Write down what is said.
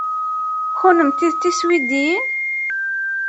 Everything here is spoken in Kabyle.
Kennemti d tiswidiyin?